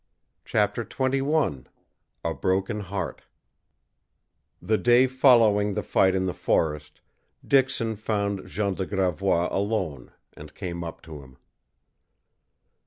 CHAPTER XXI A BROKEN HEART The day following the fight in the forest, Dixon found Jean de Gravois alone, and came up to him.